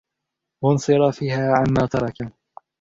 وَانْصِرَافِهَا عَمَّا تَرَكَ